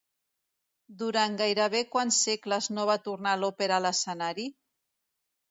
Durant gairebé quants segles no va tornar l'òpera a l'escenari?